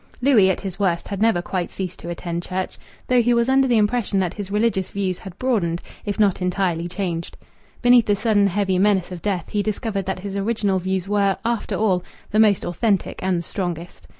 Louis at his worst had never quite ceased to attend church, though he was under the impression that his religious views had broadened, if not entirely changed. Beneath the sudden heavy menace of death he discovered that his original views were, after all, the most authentic and the strongest.